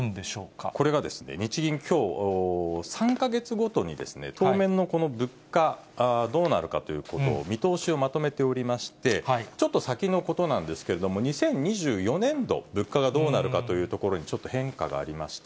これが、日銀きょう、３か月ごとに当面の物価どうなるかということを、見通しをまとめておりまして、ちょっと先のことなんですけれども、２０２４年度、物価がどうなるかというところに、ちょっと変化がありました。